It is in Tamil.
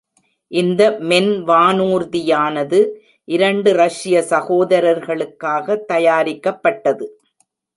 இந்த மென்வானூர்தியானது இரண்டு ரஷ்ய சகோதரர்களுக்காக தயாரிக்கப்பட்டது.